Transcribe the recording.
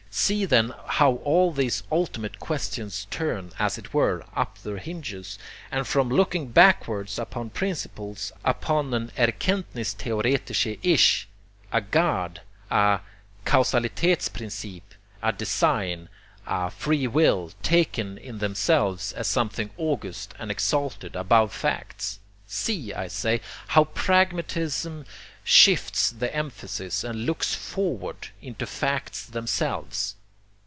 See then how all these ultimate questions turn, as it were, up their hinges; and from looking backwards upon principles, upon an erkenntnisstheoretische Ich, a God, a Kausalitaetsprinzip, a Design, a Free will, taken in themselves, as something august and exalted above facts, see, I say, how pragmatism shifts the emphasis and looks forward into facts themselves.